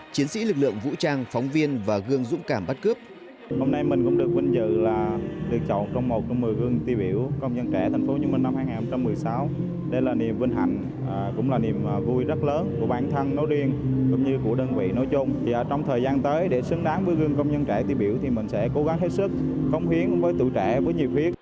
chiến sĩ lực lượng vũ trang phóng viên và gương dũng cảm bắt cướp